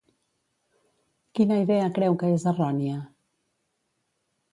Quina idea creu que és errònia?